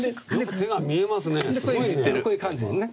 でこういう感じでね。